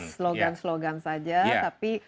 slogan slogan saja tapi